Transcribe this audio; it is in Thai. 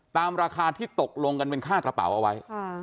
ตามราคาที่ตกลงกันเป็นค่ากระเป๋าเอาไว้